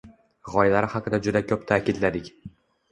Gʻoyalar haqida juda koʻp taʼkidladik.